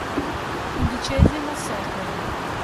Undicesimo Secolo.